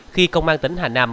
khi công an tỉnh hà nam